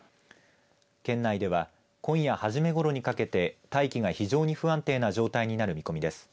県内では今夜初めごろにかけて大気が非常に不安定な状態になる見込みです。